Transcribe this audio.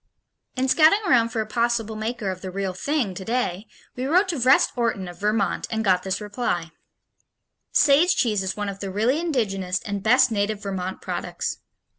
In scouting around for a possible maker of the real thing today, we wrote to Vrest Orton of Vermont, and got this reply: Sage cheese is one of the really indigenous and best native Vermont products.